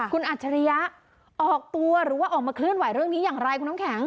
คุณอัจฉริยะออกตัวหรือว่าออกมาเคลื่อนไหวเรื่องนี้อย่างไรคุณน้ำแข็ง